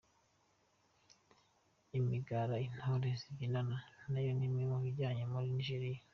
Imigara intore zibyinana nayo ni imwe bajyanye muri Nigeriya.